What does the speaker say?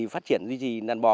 phát triển duy trì đàn bò